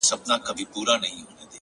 له دغي خاوري مرغان هم ولاړل هجرت کوي؛